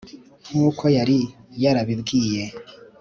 nk'uko yari yarabibwiye